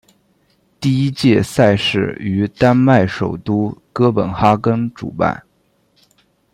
第一届赛事于丹麦首都哥本哈根主办。